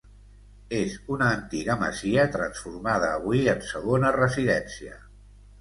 És una antiga masia transformada avui en segona residència.